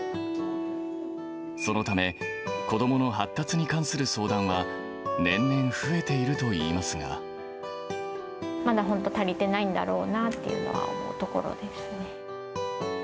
そのため子どもの発達に関する相談は、まだ本当、足りてないんだろうなっていうのは思うところです。